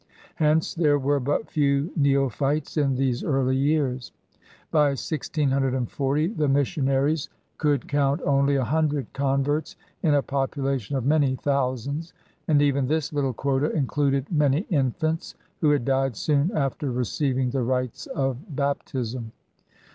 Hence there were but few neophytes in these early years. By 1640 the missionaries could . M mr, I Wi I J .ri THE CHURCH IN NEW FRANCE 119 count only a hundred converts in a population of many thousands, and even this little quota included many infants who had died soon after receiving the rites of baptism.